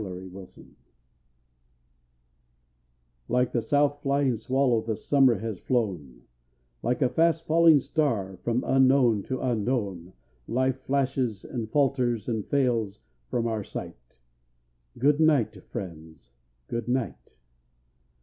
IN AN ALBUM Like the south flying swallow the summer has flown, Like a fast falling star, from unknown to unknown Life flashes and falters and fails from our sight, Good night, friends, good night.